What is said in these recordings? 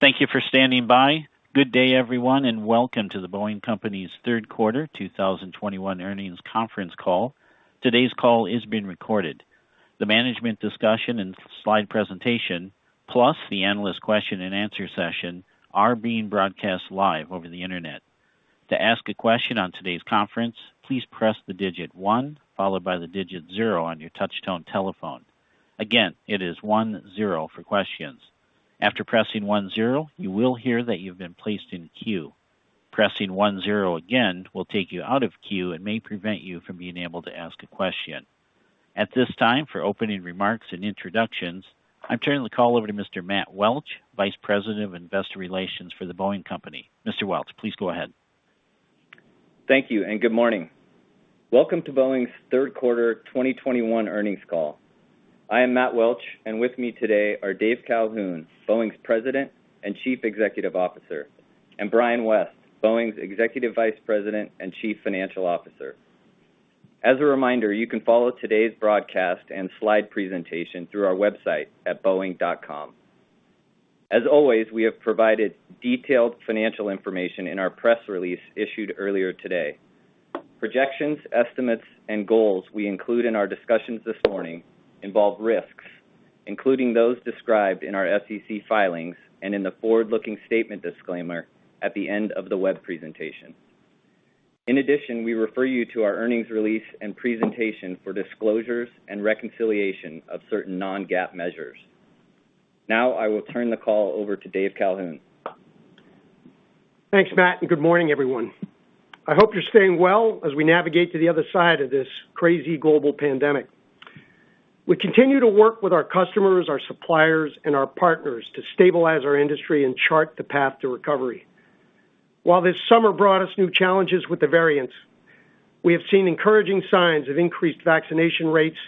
Thank you for standing by. Good day, everyone, and welcome to The Boeing Company's third quarter 2021 earnings conference call. Today's call is being recorded. The management discussion and slide presentation, plus the analyst question and answer session are being broadcast live over the Internet. To ask a question on today's conference, please press the digit one followed by the digit zero on your touchtone telephone. Again, it is one zero for questions. After pressing one zero, you will hear that you've been placed in queue. Pressing one zero again will take you out of queue and may prevent you from being able to ask a question. At this time, for opening remarks and introductions, I'm turning the call over to Mr. Matt Welch, Vice President of Investor Relations for The Boeing Company. Mr. Welch, please go ahead. Thank you and good morning. Welcome to Boeing's third quarter 2021 earnings call. I am Matt Welch, and with me today are Dave Calhoun, Boeing's President and Chief Executive Officer, and Brian West, Boeing's Executive Vice President and Chief Financial Officer. As a reminder, you can follow today's broadcast and slide presentation through our website at boeing.com. As always, we have provided detailed financial information in our press release issued earlier today. Projections, estimates, and goals we include in our discussions this morning involve risks, including those described in our SEC filings and in the forward-looking statement disclaimer at the end of the web presentation. In addition, we refer you to our earnings release and presentation for disclosures and reconciliation of certain non-GAAP measures. Now I will turn the call over to Dave Calhoun. Thanks, Matt, and good morning, everyone. I hope you're staying well as we navigate to the other side of this crazy global pandemic. We continue to work with our customers, our suppliers, and our partners to stabilize our industry and chart the path to recovery. While this summer brought us new challenges with the variants, we have seen encouraging signs of increased vaccination rates,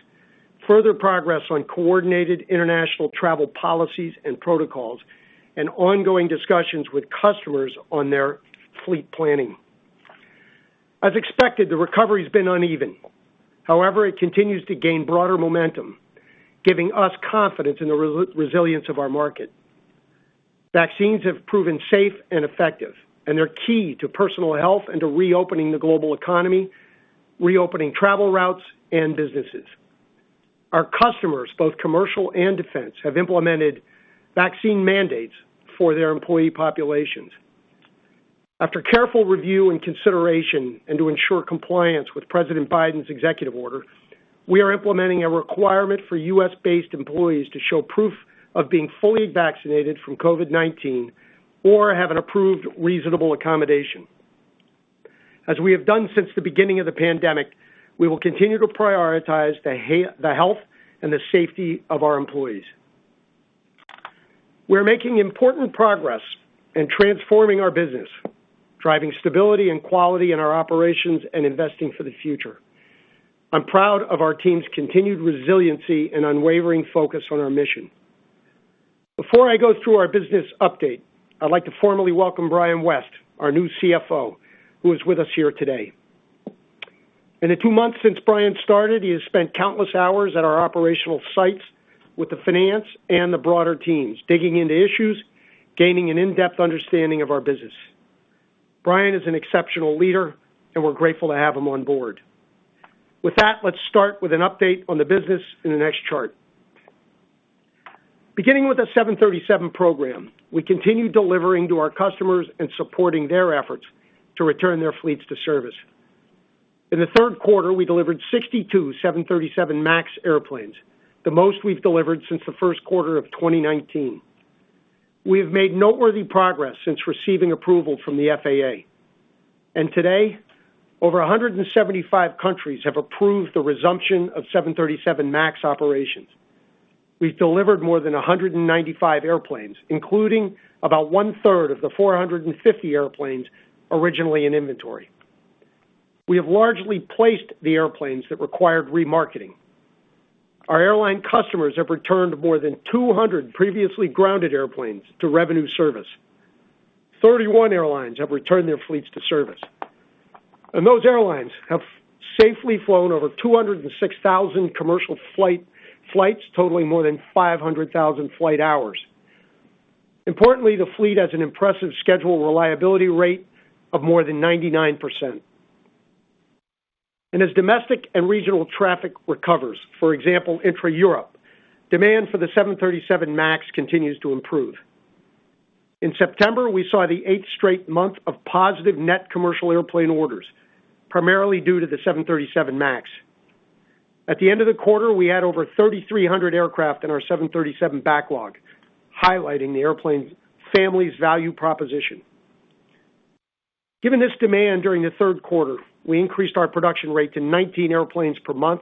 further progress on coordinated international travel policies and protocols, and ongoing discussions with customers on their fleet planning. As expected, the recovery has been uneven. However, it continues to gain broader momentum, giving us confidence in the resilience of our market. Vaccines have proven safe and effective, and they're key to personal health and to reopening the global economy, reopening travel routes and businesses. Our customers, both commercial and defense, have implemented vaccine mandates for their employee populations. After careful review and consideration, and to ensure compliance with President Biden's executive order, we are implementing a requirement for U.S.-based employees to show proof of being fully vaccinated from COVID-19 or have an approved reasonable accommodation. As we have done since the beginning of the pandemic, we will continue to prioritize the health and the safety of our employees. We're making important progress in transforming our business, driving stability and quality in our operations, and investing for the future. I'm proud of our team's continued resiliency and unwavering focus on our mission. Before I go through our business update, I'd like to formally welcome Brian West, our new CFO, who is with us here today. In the two months since Brian started, he has spent countless hours at our operational sites with the finance and the broader teams, digging into issues, gaining an in-depth understanding of our business. Brian is an exceptional leader, and we're grateful to have him on board. With that, let's start with an update on the business in the next chart. Beginning with the 737 program, we continue delivering to our customers and supporting their efforts to return their fleets to service. In the third quarter, we delivered 62 737 MAX airplanes, the most we've delivered since the first quarter of 2019. We have made noteworthy progress since receiving approval from the FAA. Today, over 175 countries have approved the resumption of 737 MAX operations. We've delivered more than 195 airplanes, including about 1/3 of the 450 airplanes originally in inventory. We have largely placed the airplanes that required remarketing. Our airline customers have returned more than 200 previously grounded airplanes to revenue service. 31 airlines have returned their fleets to service. Those airlines have safely flown over 206,000 commercial flights totaling more than 500,000 flight hours. Importantly, the fleet has an impressive schedule reliability rate of more than 99%. As domestic and regional traffic recovers, for example, intra-Europe, demand for the 737 MAX continues to improve. In September, we saw the 8th straight month of positive net commercial airplane orders, primarily due to the 737 MAX. At the end of the quarter, we had over 3,300 aircraft in our 737 backlog, highlighting the airplane family's value proposition. Given this demand during the third quarter, we increased our production rate to 19 airplanes per month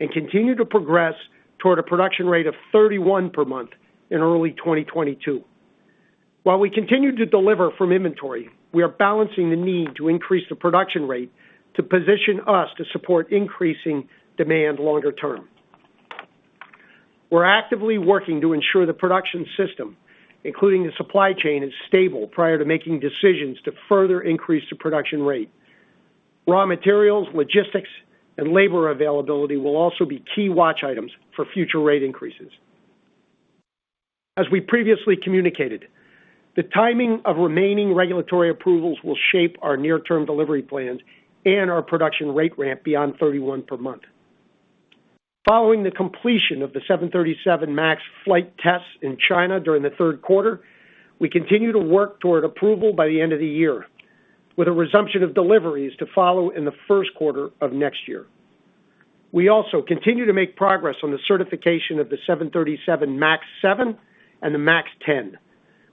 and continue to progress toward a production rate of 31 per month in early 2022. While we continue to deliver from inventory, we are balancing the need to increase the production rate to position us to support increasing demand longer term. We're actively working to ensure the production system, including the supply chain, is stable prior to making decisions to further increase the production rate. Raw materials, logistics, and labor availability will also be key watch items for future rate increases. As we previously communicated, the timing of remaining regulatory approvals will shape our near term delivery plans and our production rate ramp beyond 31 per month. Following the completion of the 737 MAX flight tests in China during the third quarter, we continue to work toward approval by the end of the year, with a resumption of deliveries to follow in the first quarter of next year. We also continue to make progress on the certification of the 737 MAX 7 and the MAX 10.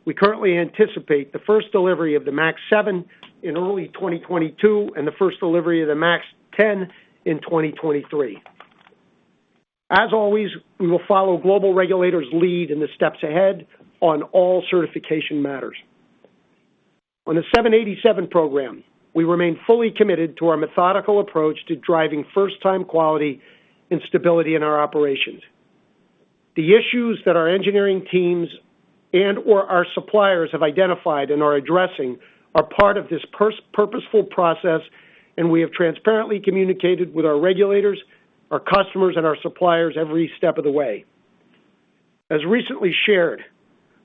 We currently anticipate the first delivery of the MAX 7 in early 2022, and the first delivery of the MAX 10 in 2023. As always, we will follow global regulators' lead in the steps ahead on all certification matters. On the 787 program, we remain fully committed to our methodical approach to driving first-time quality and stability in our operations. The issues that our engineering teams and/or our suppliers have identified and are addressing are part of this purposeful process, and we have transparently communicated with our regulators, our customers, and our suppliers every step of the way. As recently shared,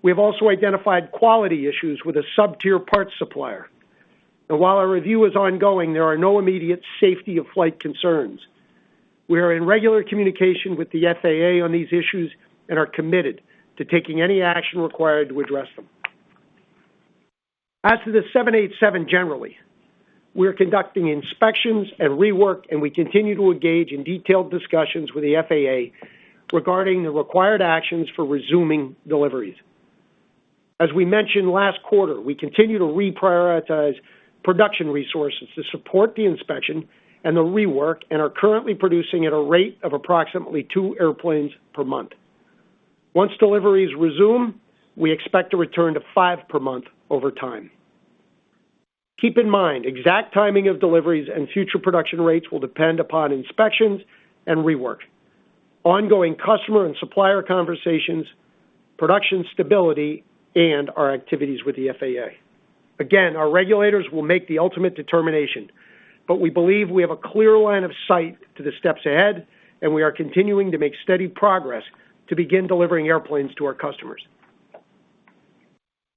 we have also identified quality issues with a sub-tier parts supplier, and while our review is ongoing, there are no immediate safety of flight concerns. We are in regular communication with the FAA on these issues and are committed to taking any action required to address them. As to the 787 generally, we are conducting inspections and rework, and we continue to engage in detailed discussions with the FAA regarding the required actions for resuming deliveries. As we mentioned last quarter, we continue to reprioritize production resources to support the inspection and the rework, and are currently producing at a rate of approximately two airplanes per month. Once deliveries resume, we expect to return to five per month over time. Keep in mind, exact timing of deliveries and future production rates will depend upon inspections and rework, ongoing customer and supplier conversations, production stability, and our activities with the FAA. Again, our regulators will make the ultimate determination, but we believe we have a clear line of sight to the steps ahead, and we are continuing to make steady progress to begin delivering airplanes to our customers.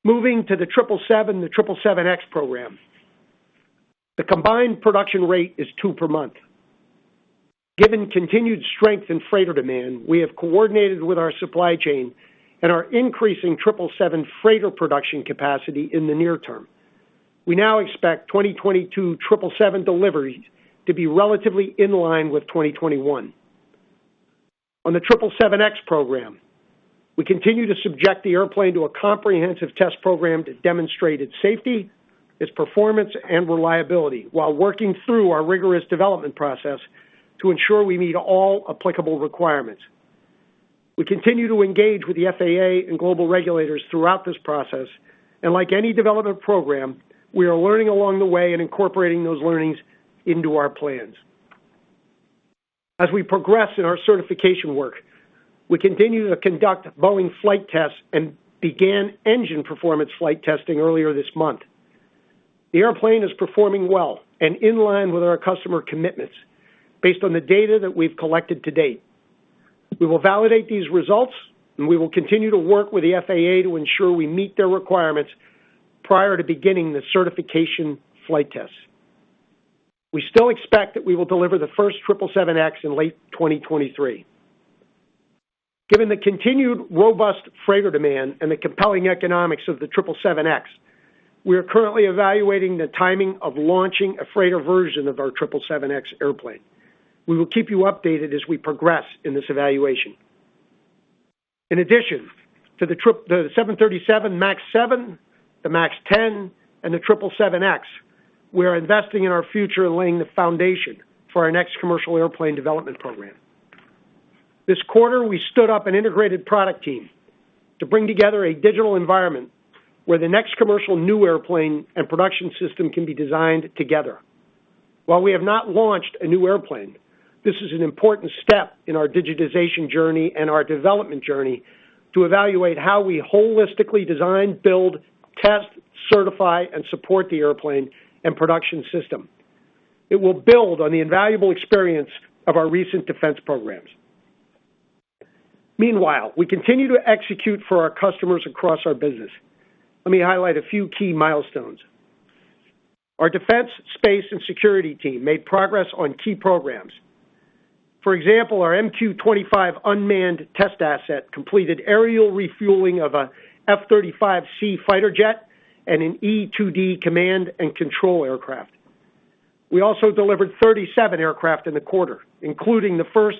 Moving to the 777, the 777X program, the combined production rate is two per month. Given continued strength in freighter demand, we have coordinated with our supply chain and are increasing 777 freighter production capacity in the near term. We now expect 2022 777 deliveries to be relatively in line with 2021. On the 777X program, we continue to subject the airplane to a comprehensive test program to demonstrate its safety, its performance, and reliability while working through our rigorous development process to ensure we meet all applicable requirements. We continue to engage with the FAA and global regulators throughout this process, and like any development program, we are learning along the way and incorporating those learnings into our plans. As we progress in our certification work, we continue to conduct Boeing flight tests and began engine performance flight testing earlier this month. The airplane is performing well and in line with our customer commitments based on the data that we've collected to-date. We will validate these results, and we will continue to work with the FAA to ensure we meet their requirements prior to beginning the certification flight tests. We still expect that we will deliver the first 777X in late 2023. Given the continued robust freighter demand and the compelling economics of the 777X, we are currently evaluating the timing of launching a freighter version of our 777X airplane. We will keep you updated as we progress in this evaluation. In addition to the 737 MAX 7, the MAX 10, and the 777X, we are investing in our future and laying the foundation for our next commercial airplane development program. This quarter, we stood up an integrated product team to bring together a digital environment where the next commercial new airplane and production system can be designed together. While we have not launched a new airplane, this is an important step in our digitization journey and our development journey to evaluate how we holistically design, build, test, certify, and support the airplane and production system. It will build on the invaluable experience of our recent defense programs. Meanwhile, we continue to execute for our customers across our business. Let me highlight a few key milestones. Our Defense, Space, and Security team made progress on key programs. For example, our MQ-25 unmanned test asset completed aerial refueling of a F-35C fighter jet and an E-2D command and control aircraft. We also delivered 37 aircraft in the quarter, including the first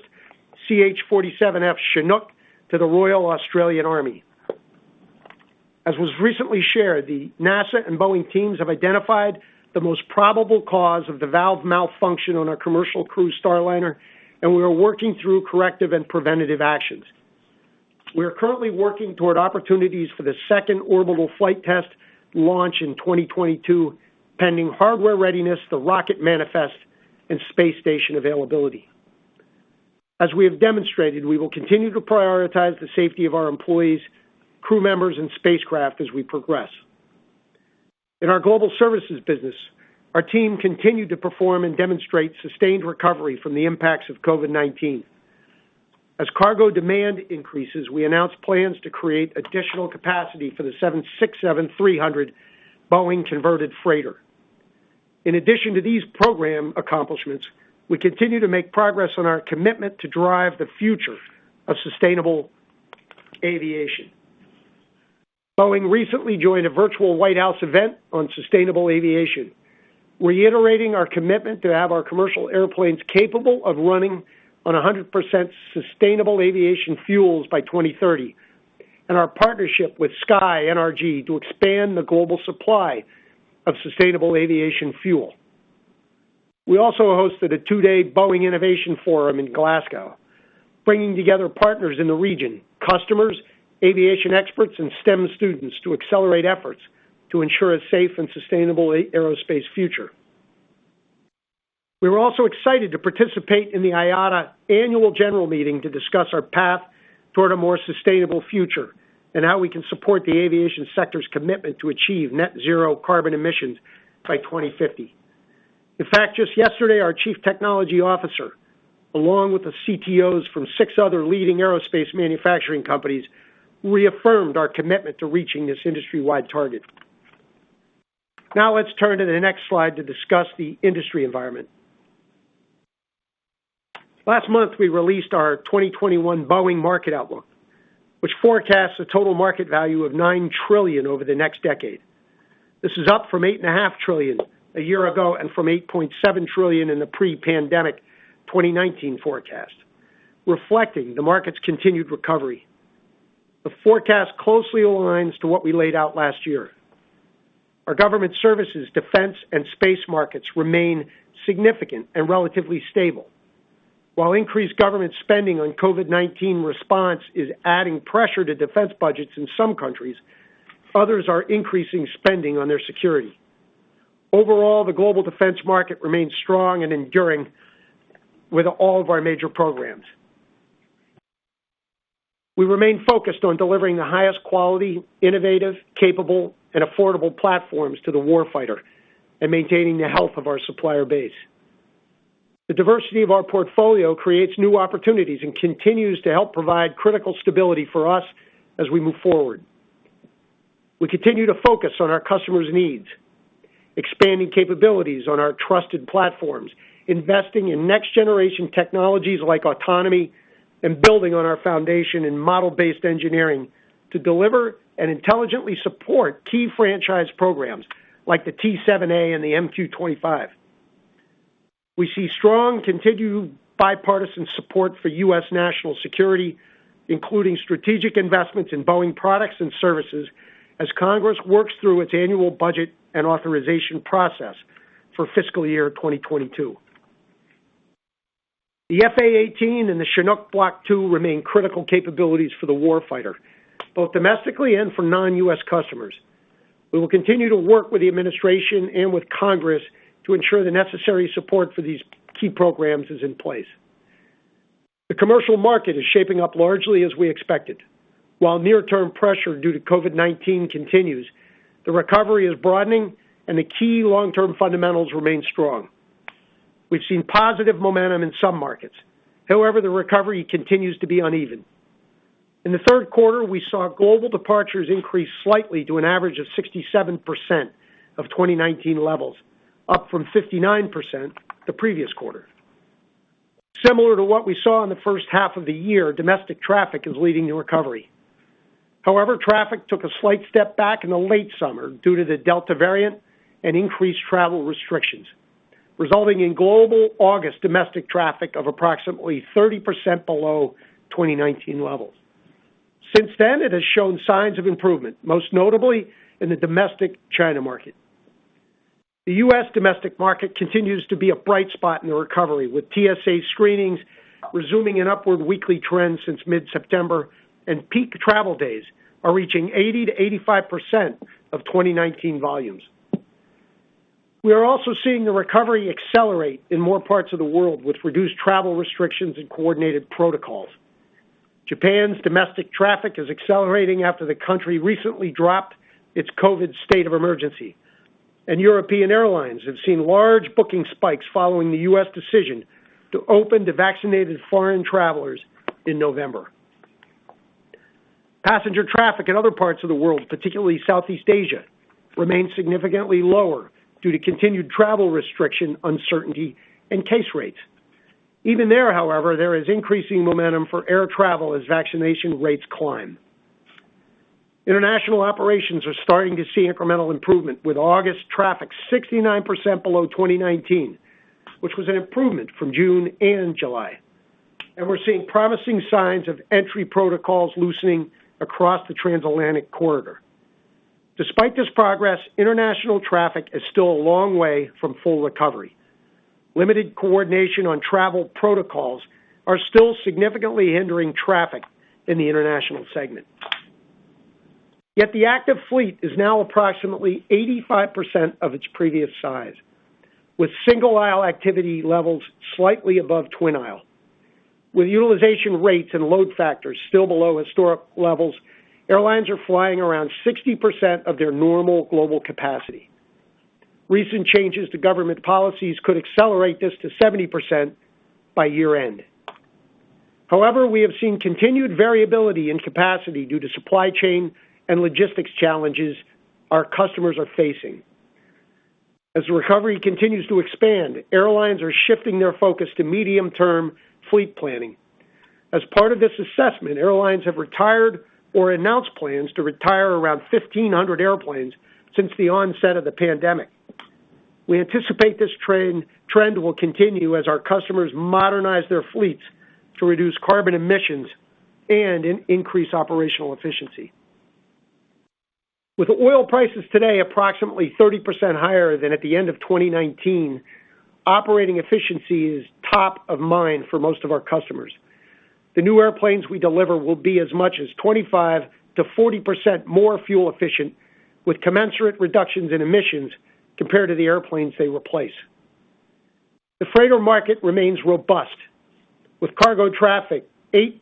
CH-47F Chinook to the Australian Army. As was recently shared, the NASA and Boeing teams have identified the most probable cause of the valve malfunction on our commercial crew CST-100 Starliner, and we are working through corrective and preventative actions. We are currently working toward opportunities for the second orbital flight test launch in 2022, pending hardware readiness, the rocket manifest, and space station availability. As we have demonstrated, we will continue to prioritize the safety of our employees, crew members, and spacecraft as we progress. In our global services business, our team continued to perform and demonstrate sustained recovery from the impacts of COVID-19. As cargo demand increases, we announced plans to create additional capacity for the 767-300 Boeing Converted Freighter. In addition to these program accomplishments, we continue to make progress on our commitment to drive the future of sustainable aviation. Boeing recently joined a virtual White House event on sustainable aviation, reiterating our commitment to have our commercial airplanes capable of running on 100% sustainable aviation fuels by 2030, and our partnership with SkyNRG to expand the global supply of sustainable aviation fuel. We also hosted a two-day Boeing innovation forum in Glasgow, bringing together partners in the region, customers, aviation experts, and STEM students to accelerate efforts to ensure a safe and sustainable aerospace future. We were also excited to participate in the IATA annual general meeting to discuss our path toward a more sustainable future and how we can support the aviation sector's commitment to achieve net zero carbon emissions by 2050. In fact, just yesterday, our chief technology officer, along with the CTOs from six other leading aerospace manufacturing companies, reaffirmed our commitment to reaching this industry-wide target. Now let's turn to the next slide to discuss the industry environment. Last month, we released our 2021 Boeing Market Outlook, which forecasts a total market value of $9 trillion over the next decade. This is up from $8.5 trillion a year ago and from $8.7 trillion in the pre-pandemic 2019 forecast, reflecting the market's continued recovery. The forecast closely aligns to what we laid out last year. Our government services, defense, and space markets remain significant and relatively stable. While increased government spending on COVID-19 response is adding pressure to defense budgets in some countries, others are increasing spending on their security. Overall, the global defense market remains strong and enduring with all of our major programs. We remain focused on delivering the highest quality, innovative, capable, and affordable platforms to the war fighter and maintaining the health of our supplier base. The diversity of our portfolio creates new opportunities and continues to help provide critical stability for us as we move forward. We continue to focus on our customers' needs, expanding capabilities on our trusted platforms, investing in next-generation technologies like autonomy, and building on our foundation in Model-Based Engineering to deliver and intelligently support key franchise programs like the T-7A and the MQ-25. We see strong, continued bipartisan support for U.S. national security, including strategic investments in Boeing products and services as Congress works through its annual budget and authorization process for fiscal year 2022. The F/A-18 and the Chinook Block II remain critical capabilities for the war fighter, both domestically and for non-U.S. customers. We will continue to work with the administration and with Congress to ensure the necessary support for these key programs is in place. The commercial market is shaping up largely as we expected. While near-term pressure due to COVID-19 continues, the recovery is broadening, and the key long-term fundamentals remain strong. We've seen positive momentum in some markets. However, the recovery continues to be uneven. In the third quarter, we saw global departures increase slightly to an average of 67% of 2019 levels, up from 59% the previous quarter. Similar to what we saw in the first half of the year, domestic traffic is leading the recovery. However, traffic took a slight step back in the late summer due to the Delta variant and increased travel restrictions, resulting in global August domestic traffic of approximately 30% below 2019 levels. Since then, it has shown signs of improvement, most notably in the domestic China market. The U.S. domestic market continues to be a bright spot in the recovery, with TSA screenings resuming an upward weekly trend since mid-September, and peak travel days are reaching 80%-85% of 2019 volumes. We are also seeing the recovery accelerate in more parts of the world with reduced travel restrictions and coordinated protocols. Japan's domestic traffic is accelerating after the country recently dropped its COVID state of emergency, and European airlines have seen large booking spikes following the U.S. decision to open to vaccinated foreign travelers in November. Passenger traffic in other parts of the world, particularly Southeast Asia, remains significantly lower due to continued travel restriction, uncertainty, and case rates. Even there, however, there is increasing momentum for air travel as vaccination rates climb. International operations are starting to see incremental improvement, with August traffic 69% below 2019, which was an improvement from June and July. We're seeing promising signs of entry protocols loosening across the transatlantic corridor. Despite this progress, international traffic is still a long way from full recovery. Limited coordination on travel protocols are still significantly hindering traffic in the international segment. Yet the active fleet is now approximately 85% of its previous size, with single aisle activity levels slightly above twin aisle. With utilization rates and load factors still below historic levels, airlines are flying around 60% of their normal global capacity. Recent changes to government policies could accelerate this to 70% by year-end. However, we have seen continued variability in capacity due to supply chain and logistics challenges our customers are facing. As the recovery continues to expand, airlines are shifting their focus to medium-term fleet planning. As part of this assessment, airlines have retired or announced plans to retire around 1,500 airplanes since the onset of the pandemic. We anticipate this trend will continue as our customers modernize their fleets to reduce carbon emissions and increase operational efficiency. With oil prices today approximately 30% higher than at the end of 2019, operating efficiency is top of mind for most of our customers. The new airplanes we deliver will be as much as 25%-40% more fuel efficient with commensurate reductions in emissions compared to the airplanes they replace. The freighter market remains robust, with cargo traffic 8%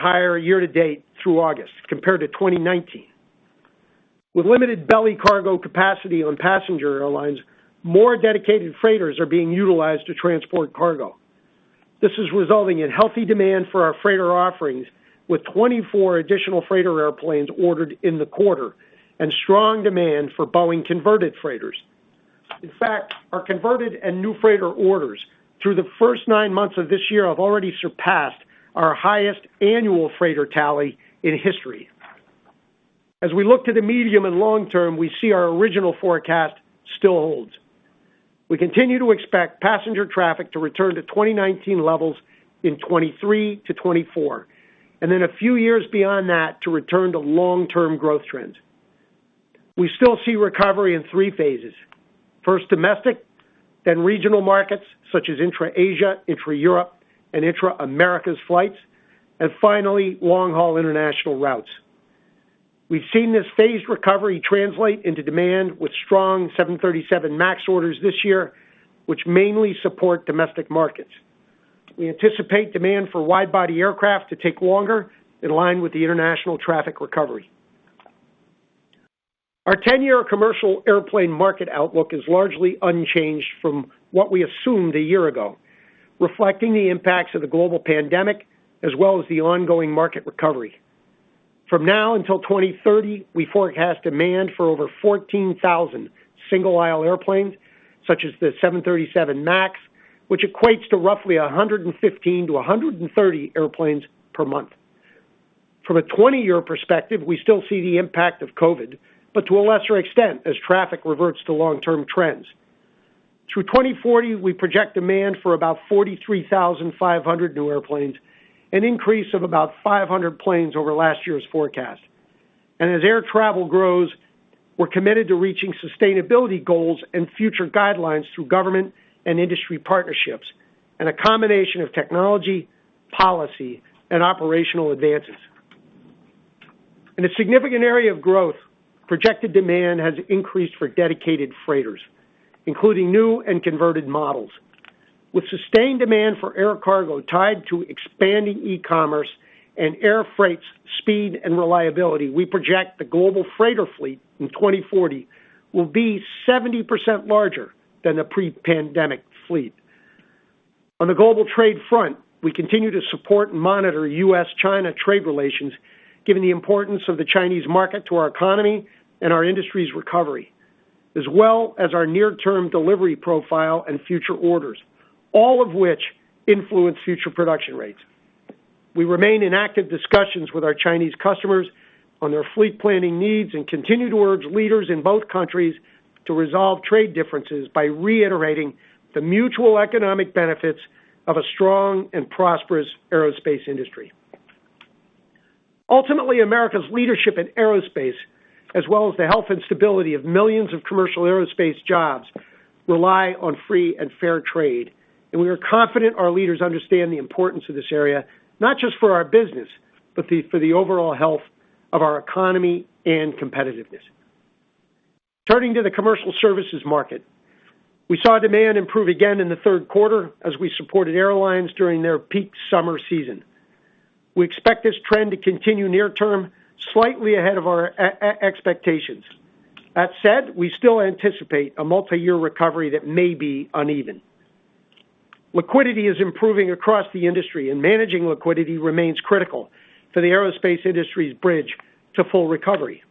higher year-to-date through August compared to 2019. With limited belly cargo capacity on passenger airlines, more dedicated freighters are being utilized to transport cargo. This is resulting in healthy demand for our freighter offerings, with 24 additional freighter airplanes ordered in the quarter and strong demand for Boeing converted freighters. In fact, our converted and new freighter orders through the first nine months of this year have already surpassed our highest annual freighter tally in history. As we look to the medium and long term, we see our original forecast still holds. We continue to expect passenger traffic to return to 2019 levels in 2023-2024, and then a few years beyond that to return to long-term growth trends. We still see recovery in three phases. First, domestic, then regional markets such as intra-Asia, intra-Europe, and intra-Americas flights, and finally long-haul international routes. We've seen this phased recovery translate into demand with strong 737 MAX orders this year, which mainly support domestic markets. We anticipate demand for wide-body aircraft to take longer in line with the international traffic recovery. Our 10-year commercial airplane market outlook is largely unchanged from what we assumed a year ago, reflecting the impacts of the global pandemic as well as the ongoing market recovery. From now until 2030, we forecast demand for over 14,000 single aisle airplanes, such as the 737 MAX, which equates to roughly 115-130 airplanes per month. From a 20-year perspective, we still see the impact of COVID, but to a lesser extent as traffic reverts to long-term trends. Through 2040, we project demand for about 43,500 new airplanes, an increase of about 500 planes over last year's forecast. As air travel grows, we're committed to reaching sustainability goals and future guidelines through government and industry partnerships and a combination of technology, policy, and operational advances. In a significant area of growth, projected demand has increased for dedicated freighters, including new and converted models. With sustained demand for air cargo tied to expanding e-commerce and air freight's speed and reliability, we project the global freighter fleet in 2040 will be 70% larger than the pre-pandemic fleet. On the global trade front, we continue to support and monitor U.S.-China trade relations, given the importance of the Chinese market to our economy and our industry's recovery, as well as our near-term delivery profile and future orders, all of which influence future production rates. We remain in active discussions with our Chinese customers on their fleet planning needs and continue to urge leaders in both countries to resolve trade differences by reiterating the mutual economic benefits of a strong and prosperous aerospace industry. Ultimately, America's leadership in aerospace, as well as the health and stability of millions of commercial aerospace jobs, rely on free and fair trade. We are confident our leaders understand the importance of this area, not just for our business, but for the overall health of our economy and competitiveness. Turning to the commercial services market, we saw demand improve again in the third quarter as we supported airlines during their peak summer season. We expect this trend to continue near term, slightly ahead of our expectations. That said, we still anticipate a multi-year recovery that may be uneven. Liquidity is improving across the industry, and managing liquidity remains critical for the aerospace industry's bridge to full recovery.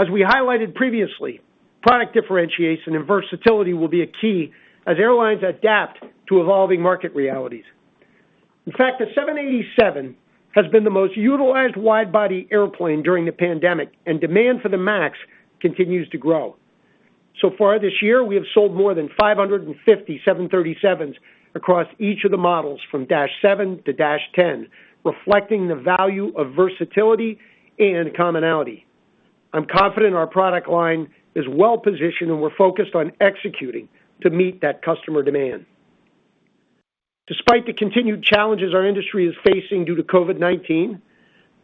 As we highlighted previously, product differentiation and versatility will be a key as airlines adapt to evolving market realities. In fact, the 787 has been the most utilized wide-body airplane during the pandemic, and demand for the 737 MAX continues to grow. So far this year, we have sold more than 550 737s across each of the models from 737 MAX 7 to 737 MAX 10, reflecting the value of versatility and commonality. I'm confident our product line is well-positioned, and we're focused on executing to meet that customer demand. Despite the continued challenges our industry is facing due to COVID-19,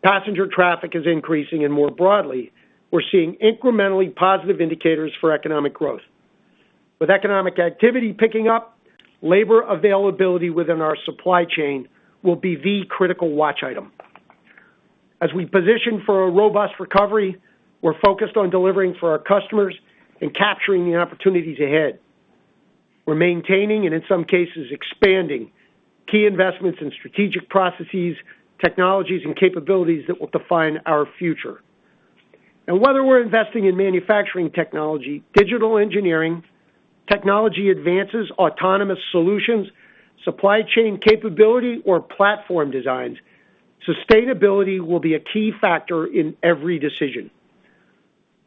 passenger traffic is increasing, and more broadly, we're seeing incrementally positive indicators for economic growth. With economic activity picking up, labor availability within our supply chain will be the critical watch item. As we position for a robust recovery, we're focused on delivering for our customers and capturing the opportunities ahead. We're maintaining, and in some cases expanding, key investments in strategic processes, technologies, and capabilities that will define our future. Whether we're investing in manufacturing technology, digital engineering, technology advances, autonomous solutions, supply chain capability, or platform designs, sustainability will be a key factor in every decision.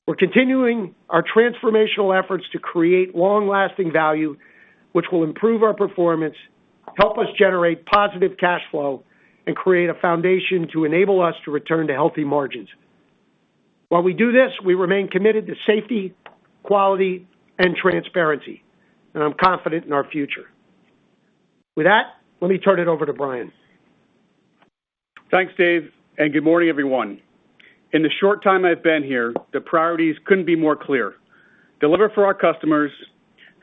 We're continuing our transformational efforts to create long-lasting value, which will improve our performance, help us generate positive cash flow, and create a foundation to enable us to return to healthy margins. While we do this, we remain committed to safety, quality, and transparency, and I'm confident in our future. With that, let me turn it over to Brian. Thanks, Dave, and good morning, everyone. In the short time I've been here, the priorities couldn't be more clear. Deliver for our customers,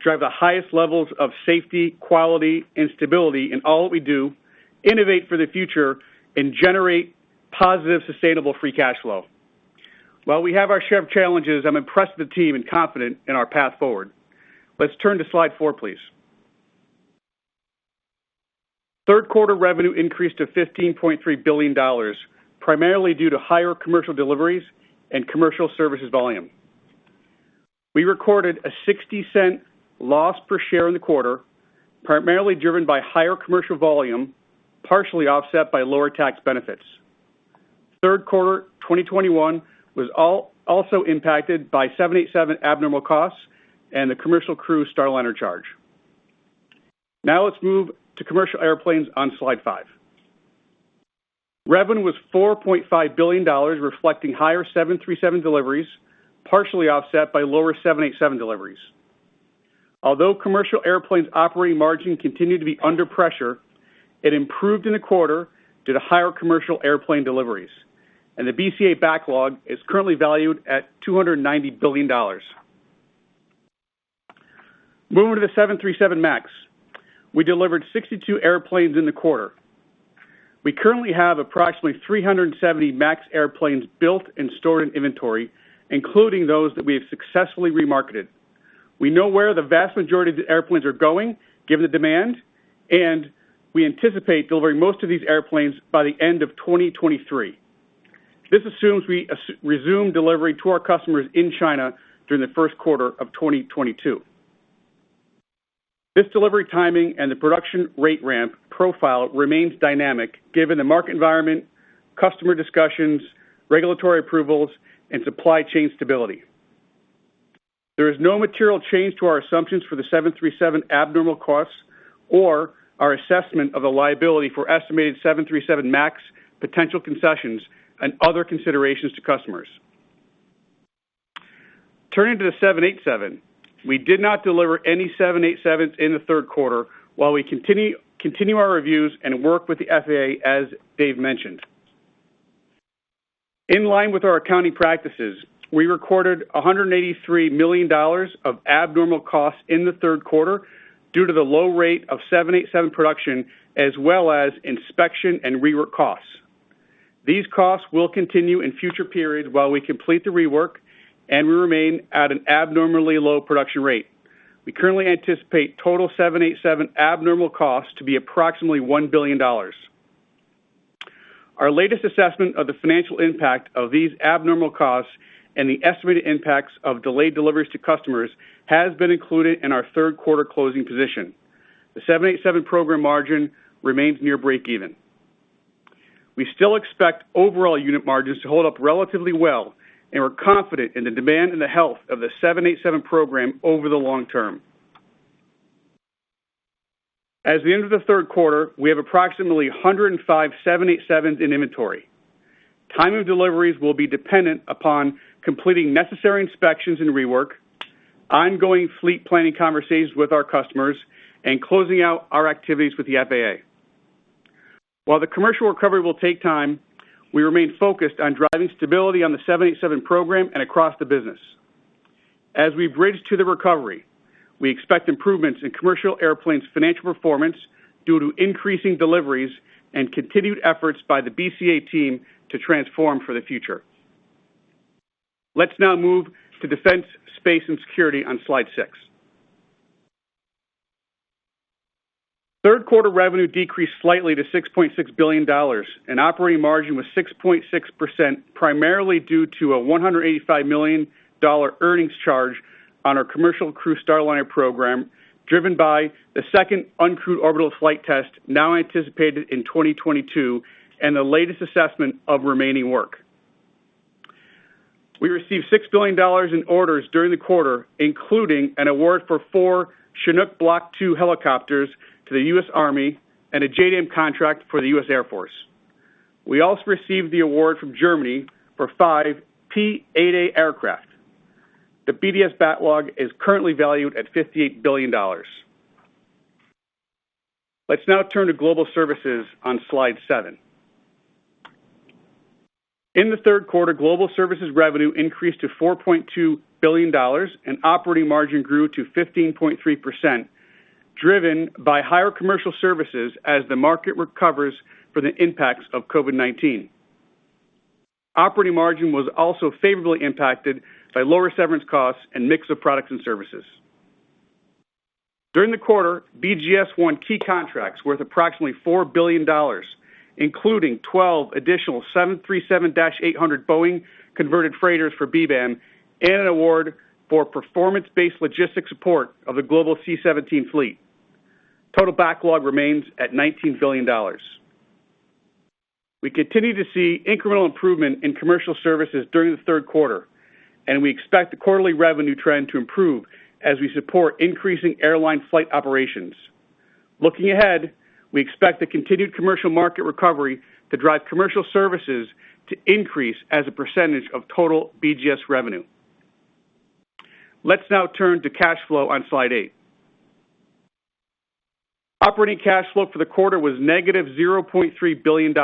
drive the highest levels of safety, quality, and stability in all that we do, innovate for the future, and generate positive, sustainable free cash flow. While we have our share of challenges, I'm impressed with the team and confident in our path forward. Let's turn to Slide 4, please. Third quarter revenue increased to $15.3 billion, primarily due to higher commercial deliveries and commercial services volume. We recorded a $0.60 loss per share in the quarter, primarily driven by higher commercial volume, partially offset by lower tax benefits. Third quarter 2021 was also impacted by 787 abnormal costs and the Commercial Crew Starliner charge. Now let's move to commercial airplanes on Slide 5. Revenue was $4.5 billion, reflecting higher 737 deliveries, partially offset by lower 787 deliveries. Although commercial airplanes' operating margin continued to be under pressure, it improved in the quarter due to higher commercial airplane deliveries, and the BCA backlog is currently valued at $290 billion. Moving to the 737 MAX, we delivered 62 airplanes in the quarter. We currently have approximately 370 MAX airplanes built and stored in inventory, including those that we have successfully remarketed. We know where the vast majority of the airplanes are going, given the demand, and we anticipate delivering most of these airplanes by the end of 2023. This assumes we resume delivery to our customers in China during the first quarter of 2022. This delivery timing and the production rate ramp profile remains dynamic given the market environment, customer discussions, regulatory approvals, and supply chain stability. There is no material change to our assumptions for the 737 abnormal costs or our assessment of the liability for estimated 737 MAX potential concessions and other considerations to customers. Turning to the 787, we did not deliver any 787s in the third quarter while we continue our reviews and work with the FAA, as Dave mentioned. In line with our accounting practices, we recorded $183 million of abnormal costs in the third quarter due to the low rate of 787 production, as well as inspection and rework costs. These costs will continue in future periods while we complete the rework, and we remain at an abnormally low production rate. We currently anticipate total 787 abnormal costs to be approximately $1 billion. Our latest assessment of the financial impact of these abnormal costs and the estimated impacts of delayed deliveries to customers has been included in our third quarter closing position. The 787 program margin remains near breakeven. We still expect overall unit margins to hold up relatively well, and we're confident in the demand and the health of the 787 program over the long term. At the end of the third quarter, we have approximately 105 787s in inventory. Timing of deliveries will be dependent upon completing necessary inspections and rework, ongoing fleet planning conversations with our customers, and closing out our activities with the FAA. While the commercial recovery will take time, we remain focused on driving stability on the 787 program and across the business. As we bridge to the recovery, we expect improvements in commercial airplanes' financial performance due to increasing deliveries and continued efforts by the BCA team to transform for the future. Let's now move to defense, space, and security on Slide 6. Third quarter revenue decreased slightly to $6.6 billion, and operating margin was 6.6%, primarily due to a $185 million earnings charge on our Commercial Crew Starliner program, driven by the second uncrewed orbital flight test, now anticipated in 2022, and the latest assessment of remaining work. We received $6 billion in orders during the quarter, including an award for 4 Chinook Block II helicopters to the U.S. Army and a JDAM contract for the U.S. Air Force. We also received the award from Germany for 5 P-8A aircraft. The BDS backlog is currently valued at $58 billion. Let's now turn to global services on Slide 7. In the third quarter, global services revenue increased to $4.2 billion and operating margin grew to 15.3%, driven by higher commercial services as the market recovers for the impacts of COVID-19. Operating margin was also favorably impacted by lower severance costs and mix of products and services. During the quarter, BGS won key contracts worth approximately $4 billion, including 12 additional 737-800 Boeing Converted Freighters for BBAM and an award for performance-based logistics support of the global C-17 fleet. Total backlog remains at $19 billion. We continue to see incremental improvement in commercial services during the third quarter, and we expect the quarterly revenue trend to improve as we support increasing airline flight operations. Looking ahead, we expect the continued commercial market recovery to drive commercial services to increase as a percentage of total BGS revenue. Let's now turn to cash flow on Slide 8. Operating cash flow for the quarter was -$0.3 billion,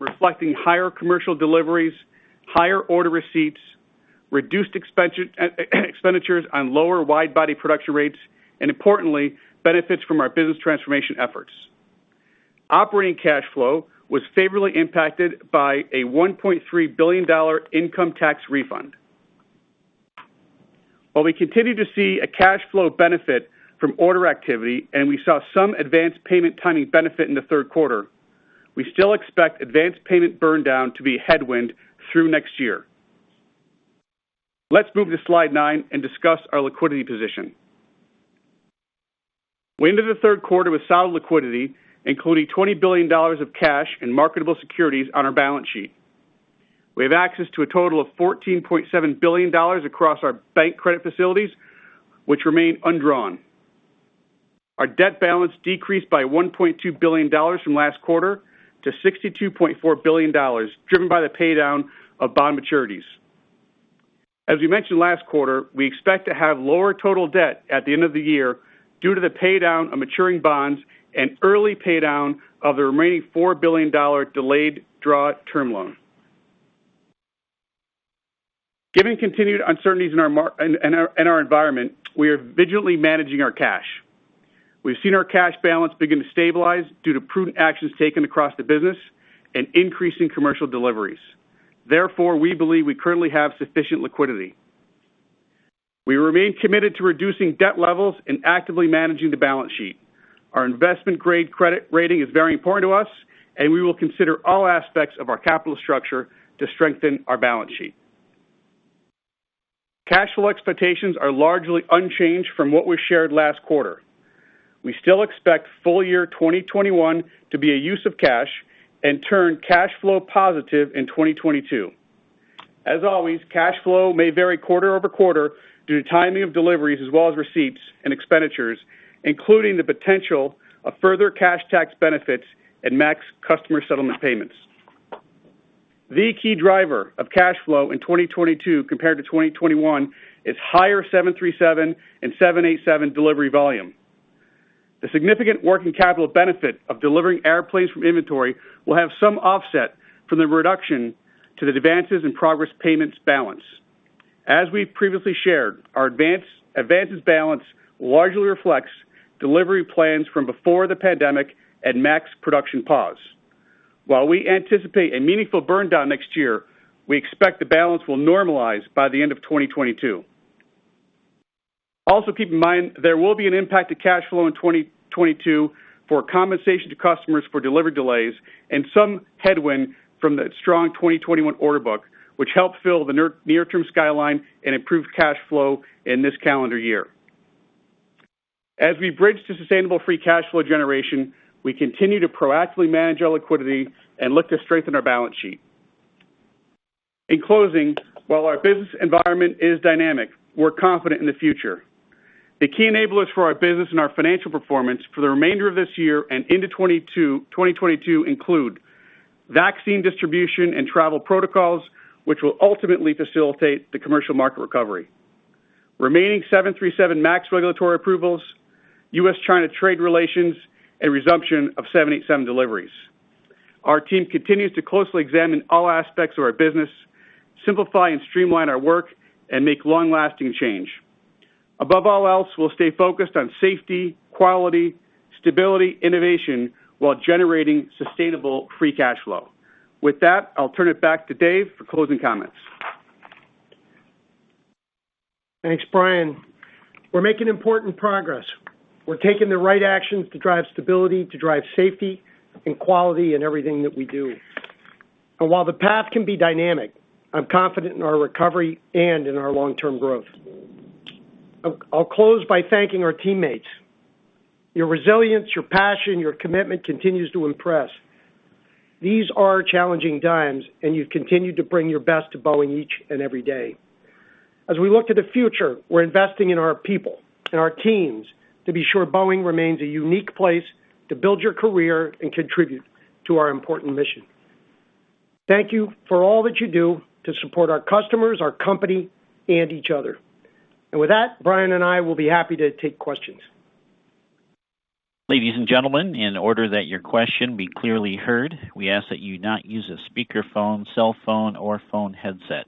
reflecting higher commercial deliveries, higher order receipts, reduced expenditures on lower wide-body production rates, and importantly, benefits from our business transformation efforts. Operating cash flow was favorably impacted by a $1.3 billion income tax refund. While we continue to see a cash flow benefit from order activity, and we saw some advanced payment timing benefit in the third quarter, we still expect advanced payment burn down to be a headwind through next year. Let's move to Slide 9 and discuss our liquidity position. We ended the third quarter with solid liquidity, including $20 billion of cash and marketable securities on our balance sheet. We have access to a total of $14.7 billion across our bank credit facilities, which remain undrawn. Our debt balance decreased by $1.2 billion from last quarter to $62.4 billion, driven by the paydown of bond maturities. As we mentioned last quarter, we expect to have lower total debt at the end of the year due to the paydown of maturing bonds and early paydown of the remaining $4 billion delayed draw term loan. Given continued uncertainties in our environment, we are vigilantly managing our cash. We've seen our cash balance begin to stabilize due to prudent actions taken across the business and increasing commercial deliveries. Therefore, we believe we currently have sufficient liquidity. We remain committed to reducing debt levels and actively managing the balance sheet. Our investment-grade credit rating is very important to us, and we will consider all aspects of our capital structure to strengthen our balance sheet. Cash flow expectations are largely unchanged from what we shared last quarter. We still expect full year 2021 to be a use of cash and turn cash flow positive in 2022. As always, cash flow may vary quarter-over-quarter due to timing of deliveries as well as receipts and expenditures, including the potential of further cash tax benefits and MAX customer settlement payments. The key driver of cash flow in 2022 compared to 2021 is higher 737 and 787 delivery volume. The significant working capital benefit of delivering airplanes from inventory will have some offset from the reduction to the advances in progress payments balance. As we previously shared, our advances balance largely reflects delivery plans from before the pandemic and max production pause. While we anticipate a meaningful burn down next year, we expect the balance will normalize by the end of 2022. Also keep in mind there will be an impact to cash flow in 2022 for compensation to customers for delivery delays and some headwind from the strong 2021 order book, which helped fill the near term skyline and improve cash flow in this calendar year. As we bridge to sustainable free cash flow generation, we continue to proactively manage our liquidity and look to strengthen our balance sheet. In closing, while our business environment is dynamic, we're confident in the future. The key enablers for our business and our financial performance for the remainder of this year and into 2022 include vaccine distribution and travel protocols, which will ultimately facilitate the commercial market recovery, remaining 737 MAX regulatory approvals, U.S.-China trade relations, and resumption of 787 deliveries. Our team continues to closely examine all aspects of our business, simplify and streamline our work, and make long-lasting change. Above all else, we'll stay focused on safety, quality, stability, innovation, while generating sustainable free cash flow. With that, I'll turn it back to Dave for closing comments. Thanks, Brian. We're making important progress. We're taking the right actions to drive stability, to drive safety and quality in everything that we do. While the path can be dynamic, I'm confident in our recovery and in our long-term growth. I'll close by thanking our teammates. Your resilience, your passion, your commitment continues to impress. These are challenging times, and you've continued to bring your best to Boeing each and every day. As we look to the future, we're investing in our people and our teams to be sure Boeing remains a unique place to build your career and contribute to our important mission. Thank you for all that you do to support our customers, our company, and each other. With that, Brian and I will be happy to take questions. Ladies and gentlemen, in order that your question be clearly heard, we ask that you not use a speakerphone, cell phone, or phone headset.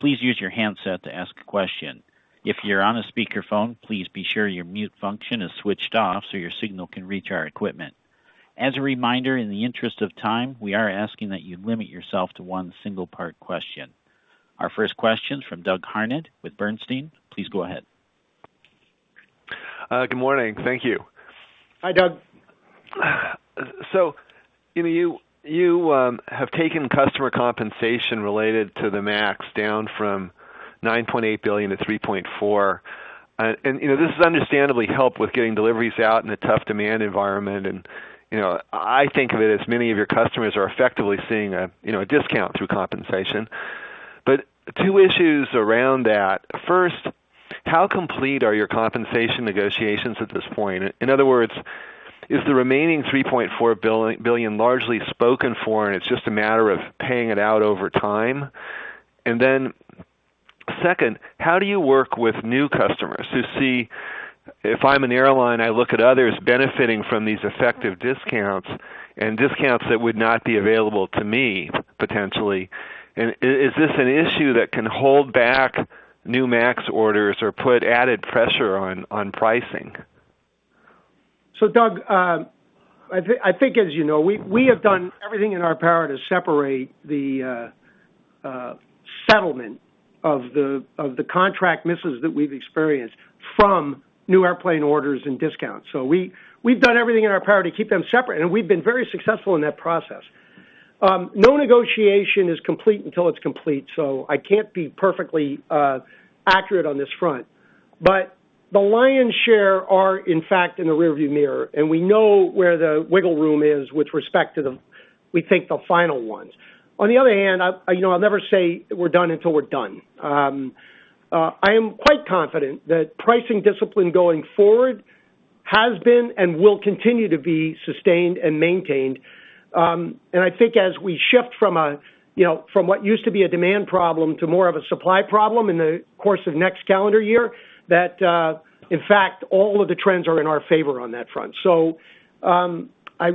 Please use your handset to ask a question. If you're on a speakerphone, please be sure your mute function is switched off so your signal can reach our equipment. As a reminder, in the interest of time, we are asking that you limit yourself to one single part question. Our first question is from Doug Harned with Bernstein. Please go ahead. Good morning. Thank you. Hi, Doug. You have taken customer compensation related to the MAX down from $9.8 billion-$3.4 billion. This has understandably helped with getting deliveries out in a tough demand environment. I think of it as many of your customers are effectively seeing a discount through compensation. Two issues around that. First, how complete are your compensation negotiations at this point? In other words, is the remaining $3.4 billion largely spoken for, and it's just a matter of paying it out over time? Second, how do you work with new customers who see if I'm an airline, I look at others benefiting from these effective discounts and discounts that would not be available to me potentially. Is this an issue that can hold back new MAX orders or put added pressure on pricing? Doug, I think as you know, we have done everything in our power to separate the settlement of the contract misses that we've experienced from new airplane orders and discounts. We have done everything in our power to keep them separate, and we've been very successful in that process. No negotiation is complete until it's complete, I can't be perfectly accurate on this front. The lion's share are, in fact, in the rearview mirror, and we know where the wiggle room is with respect to the, we think, the final ones. On the other hand, you know, I'll never say we're done until we're done. I am quite confident that pricing discipline going forward has been and will continue to be sustained and maintained. I think as we shift from, you know, from what used to be a demand problem to more of a supply problem in the course of next calendar year, that in fact all of the trends are in our favor on that front.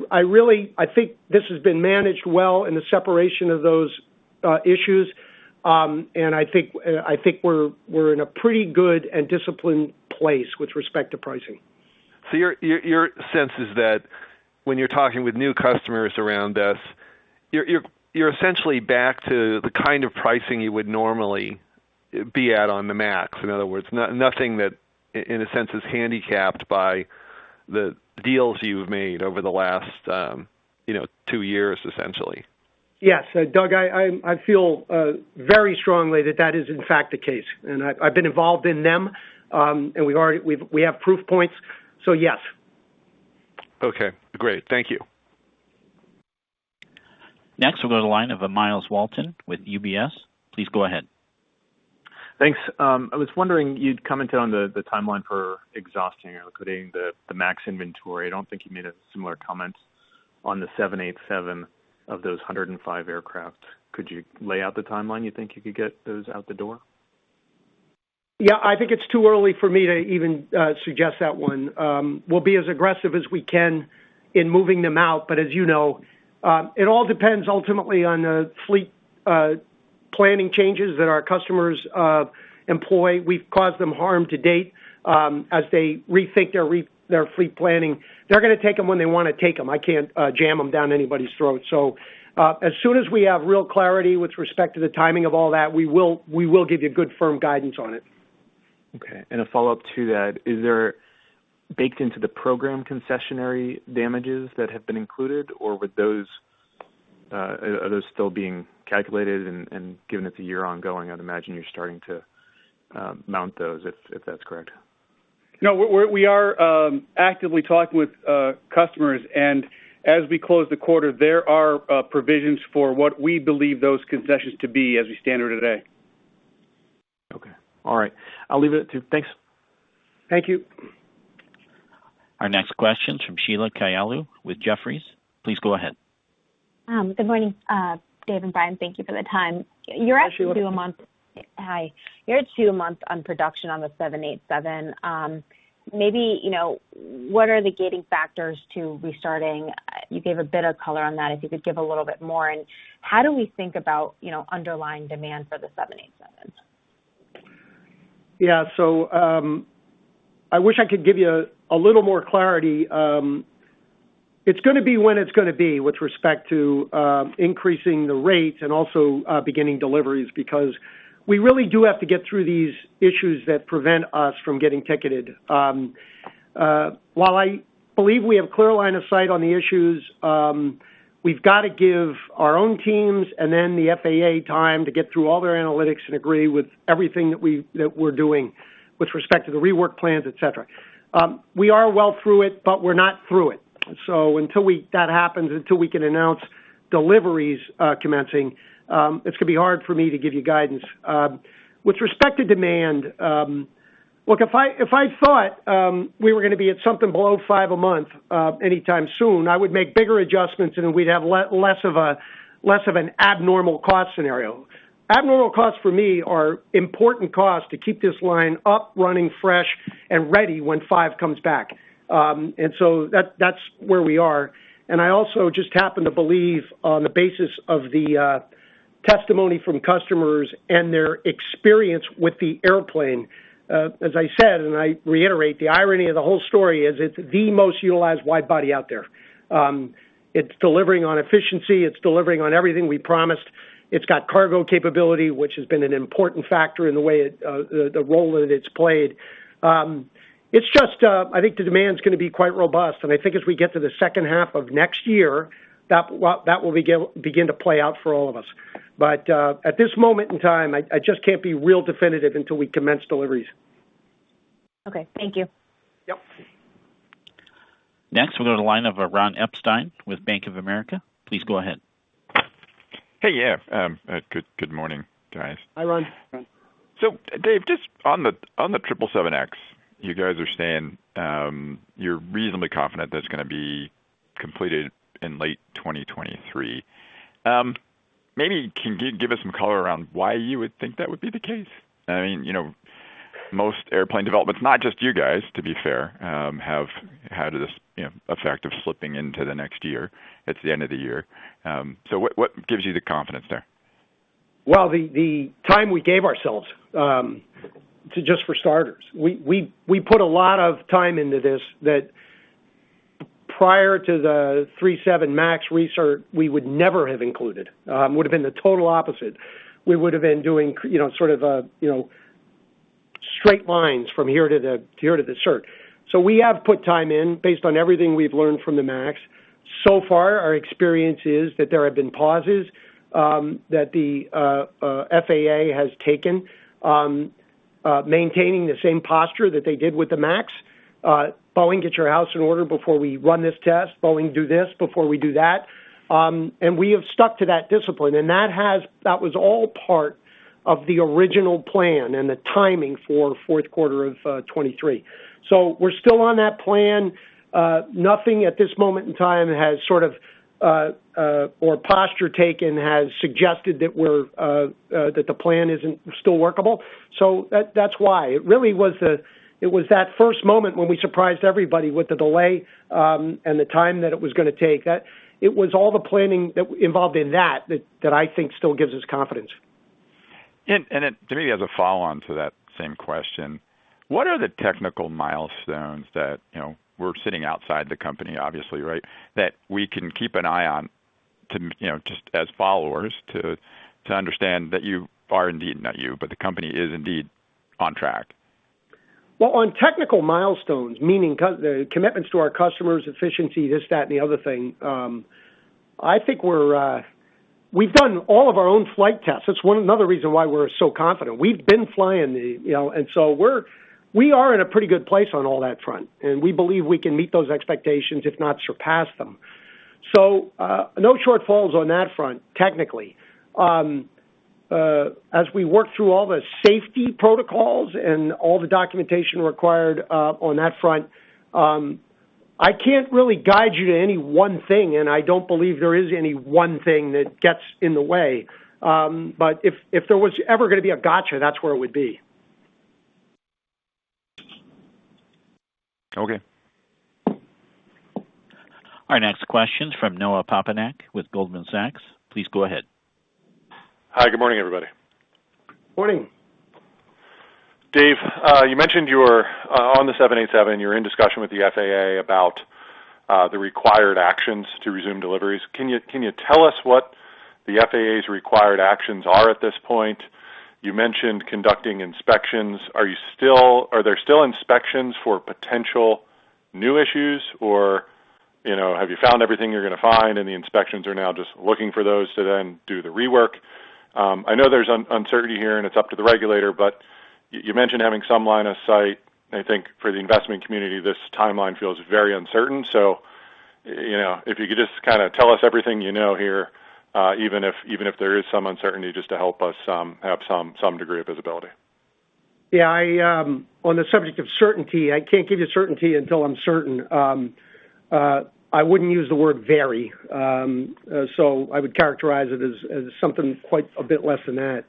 I really think this has been managed well in the separation of those issues. I think we're in a pretty good and disciplined place with respect to pricing. Your sense is that when you're talking with new customers around this, you're essentially back to the kind of pricing you would normally be at on the MAX. In other words, nothing that in a sense is handicapped by the deals you've made over the last two years, essentially. Yes. Doug, I feel very strongly that that is in fact the case, and I've been involved in them, and we have proof points. Yes. Okay. Great. Thank you. Next, we'll go to the line of, Myles Walton with UBS. Please go ahead. Thanks. I was wondering, you'd commented on the timeline for exhausting or including the MAX inventory. I don't think you made a similar comment on the 787 of those 105 aircraft. Could you lay out the timeline you think you could get those out the door? Yeah. I think it's too early for me to even suggest that one. We'll be as aggressive as we can in moving them out. As you know, it all depends ultimately on the fleet planning changes that our customers employ. We've caused them harm to-date, as they rethink their fleet planning. They're gonna take them when they wanna take them. I can't jam them down anybody's throat. As soon as we have real clarity with respect to the timing of all that, we will give you good firm guidance on it. Okay. A follow-up to that, is there baked into the program concessionary damages that have been included, or are those still being calculated? Given it's a year ongoing, I'd imagine you're starting to mount those if that's correct. No. We are actively talking with customers. As we close the quarter, there are provisions for what we believe those concessions to be as we stand here today. Okay. All right. I'll leave it at two. Thanks. Thank you. Our next question is from Sheila Kahyaoglu with Jefferies. Please go ahead. Good morning, Dave and Brian, thank you for the time. Hi, Sheila. Hi. You're two months on production on the 787. Maybe, you know, what are the gating factors to restarting? You gave a bit of color on that, if you could give a little bit more. How do we think about, you know, underlying demand for the 787? Yeah. I wish I could give you a little more clarity. It's gonna be when it's gonna be with respect to increasing the rates and also beginning deliveries, because we really do have to get through these issues that prevent us from getting ticketed. While I believe we have clear line of sight on the issues, we've got to give our own teams and then the FAA time to get through all their analytics and agree with everything that we're doing with respect to the rework plans, et cetera. We are well through it, but we're not through it. Until that happens, until we can announce deliveries commencing, it's gonna be hard for me to give you guidance. Look, with respect in demand, if I thought we were going to be at something below five a month anytime soon, I would make bigger adjustments, and we'd have less of an abnormal cost scenario. Abnormal costs for me are important costs to keep this line up, running fresh and ready when five comes back. That's where we are. I also just happen to believe on the basis of the testimony from customers and their experience with the airplane. As I said, and I reiterate, the irony of the whole story is it's the most utilized wide-body out there. It's delivering on efficiency, it's delivering on everything we promised. It's got cargo capability, which has been an important factor in the way the role that it's played. It's just- I think the demand's going to be quite robust, and I think as we get to the second half of next year, well, that will begin to play out for all of us. At this moment in time, I just can't be real definitive until we commence deliveries. Okay. Thank you. Yep. Next, we'll go to the line of Ron Epstein with Bank of America. Please go ahead. Hey, yeah. Good morning, guys. Hi, Ron. Dave, just on the 777X, you guys are saying you're reasonably confident that's going to be completed in late 2023. Maybe can you give us some color around why you would think that would be the case? I mean, you know, most airplane developments, not just you guys, to be fair, have had this, you know, effect of slipping into the next year at the end of the year. What gives you the confidence there? Well, the time we gave ourselves to just for starters. We put a lot of time into this that prior to the 737 MAX recert, we would never have included, would have been the total opposite. We would've been doing, you know, sort of a, you know, straight lines from here to the cert. We have put time in based on everything we've learned from the MAX. So far, our experience is that there have been pauses that the FAA has taken maintaining the same posture that they did with the MAX. "Boeing, get your house in order before we run this test. Boeing, do this before we do that." We have stuck to that discipline, and that was all part of the original plan and the timing for fourth quarter of 2023. We're still on that plan. Nothing at this moment in time or our posture taken has suggested that the plan isn't still workable. That's why. It really was that first moment when we surprised everybody with the delay and the time that it was going to take. It was all the planning that involved in that that I think still gives us confidence. Maybe as a follow-on to that same question, what are the technical milestones that, you know, we're sitting outside the company, obviously, right? That we can keep an eye on to, you know, just as followers to understand that you are indeed, not you, but the company is indeed on track. Well, on technical milestones, meaning the commitments to our customers, efficiency, this, that, and the other thing, I think we've done all of our own flight tests. That's another reason why we're so confident. We've been flying, you know, and so we are in a pretty good place on all that front, and we believe we can meet those expectations, if not surpass them. No shortfalls on that front, technically. As we work through all the safety protocols and all the documentation required, on that front, I can't really guide you to any one thing, and I don't believe there is any one thing that gets in the way. If there was ever going to be a gotcha, that's where it would be. Okay. Our next question's from Noah Poponak with Goldman Sachs. Please go ahead. Hi, good morning, everybody. Morning. Dave, you mentioned you were on the 787, you're in discussion with the FAA about the required actions to resume deliveries. Can you tell us what the FAA's required actions are at this point? You mentioned conducting inspections. Are there still inspections for potential new issues or, you know, have you found everything you're going to find, and the inspections are now just looking for those to then do the rework? I know there's uncertainty here, and it's up to the regulator, but you mentioned having some line of sight. I think for the investment community, this timeline feels very uncertain. You know, if you could just kind of tell us everything you know here, even if there is some uncertainty, just to help us have some degree of visibility. Yeah, on the subject of certainty, I can't give you certainty until I'm certain. I wouldn't use the word very. I would characterize it as something quite a bit less than that.